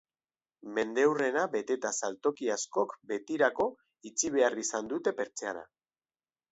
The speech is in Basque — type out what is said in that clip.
Mendeurrena beteta saltoki askok betirako itxi behar izan dute pertsiana.